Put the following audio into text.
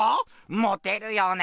モテるよね。